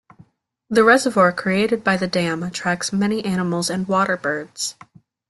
The reservoir created by the dam attracts many animals and water birds.